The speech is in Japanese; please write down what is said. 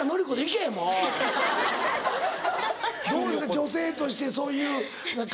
女性としてそういう壁。